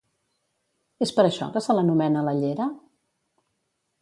És per això que se l'anomena l'Allera?